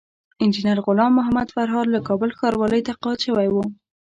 انجينر غلام محمد فرهاد له کابل ښاروالۍ تقاعد شوی وو